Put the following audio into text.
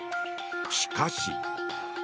しかし。